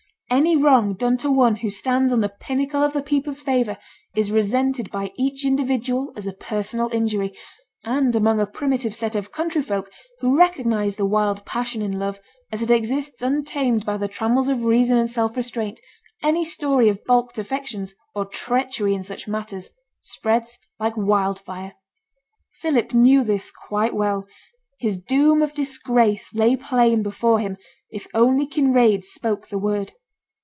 Any wrong done to one who stands on the pinnacle of the people's favour is resented by each individual as a personal injury; and among a primitive set of country folk, who recognize the wild passion in love, as it exists untamed by the trammels of reason and self restraint, any story of baulked affections, or treachery in such matters, spreads like wildfire. Philip knew this quite well; his doom of disgrace lay plain before him, if only Kinraid spoke the word.